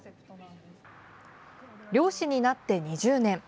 猟師になって２０年。